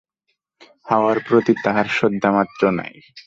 হাওয়ার প্রতি তাহার শ্রদ্ধামাত্র নাই।